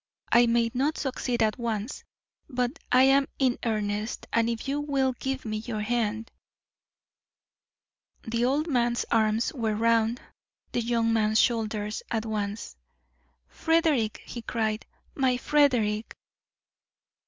I may not succeed at once; but I am in earnest, and if you will give me your hand " The old man's arms were round the young man's shoulders at once. "Frederick!" he cried, "my Frederick!"